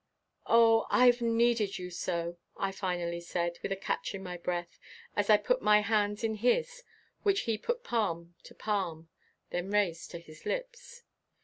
"Oh, I've needed you so," I finally said, with a catch in my breath as I put my hands in his which he put palm to palm, then raised to his lips.